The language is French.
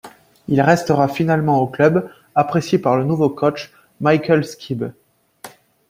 Il restera finalement au club, apprécié par le nouveau coach Michael Skibbe.